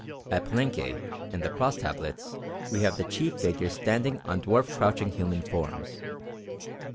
At Palenque in the Cross Tablets we have the chief figures standing on dwarf crouching human forms.